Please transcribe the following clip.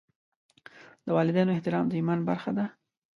د والدینو احترام د ایمان برخه ده.